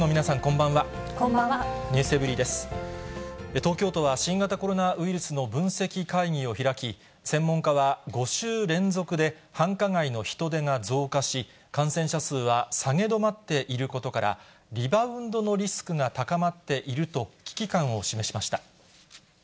東京都は新型コロナウイルスの分析会議を開き、専門家は５週連続で繁華街の人出が増加し、感染者数は下げ止まっていることから、リバウンドのリスクが高まっていると危機感を示しました。